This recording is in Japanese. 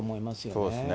そうですね。